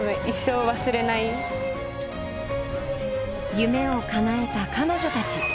夢をかなえた彼女たち。